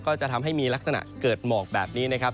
ก็จะทำให้มีลักษณะเกิดหมอกแบบนี้นะครับ